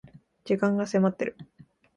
時間が迫っている